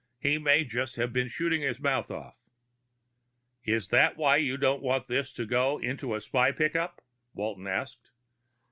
He may just have been shooting his mouth off." "Is that why you didn't want this to go into a spy pickup?" Walton asked.